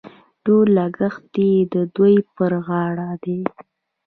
ټول لګښت یې د دوی پر غاړه دي.